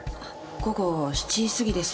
午後７時過ぎです。